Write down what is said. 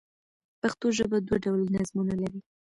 پښتو ژبه دوه ډوله نظمونه لري.